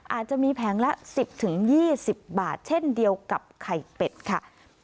อาจจะมีแผงละ๑๐๒๐บาทเช่นเดียวกับไข่เป็ดค่ะ